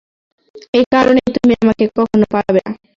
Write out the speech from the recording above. এ কারণেই তুমি আমাকে কখনো পাবে না।